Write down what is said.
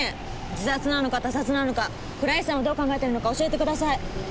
自殺なのか他殺なのか倉石さんはどう考えてるのか教えてください。